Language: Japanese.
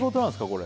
これ。